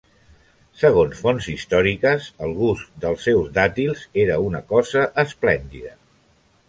Segons fonts històriques, el gust dels seus dàtils era una cosa esplèndida.